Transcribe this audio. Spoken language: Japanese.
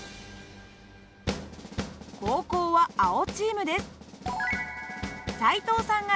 後攻は青チームです。